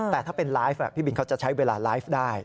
แต่ถ้าเป็นไลฟ์พี่บินเขาจะใช้เวลาไลฟ์ได้